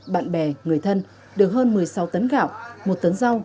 bạn bè người thân được hơn một mươi sáu tấn gạo một tấn rau